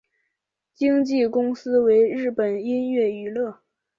经纪公司为日本音乐娱乐。